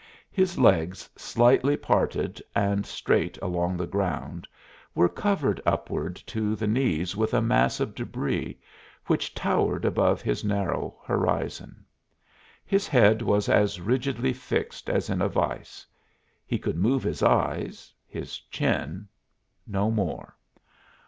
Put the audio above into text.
His legs, slightly parted and straight along the ground, were covered upward to the knees with a mass of debris which towered above his narrow horizon. His head was as rigidly fixed as in a vise; he could move his eyes, his chin no more.